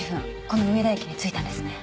この上田駅に着いたんですね。